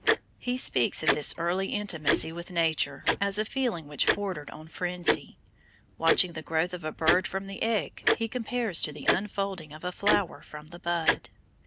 He speaks of this early intimacy with Nature as a feeling which bordered on frenzy. Watching the growth of a bird from the egg he compares to the unfolding of a flower from the bud.